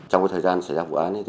trong thời gian xảy ra vụ án